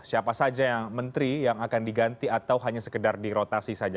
siapa saja yang menteri yang akan diganti atau hanya sekedar dirotasi saja